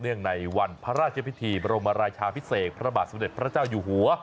ในวันพระราชพิธีบรมราชาพิเศษพระบาทสมเด็จพระเจ้าอยู่หัว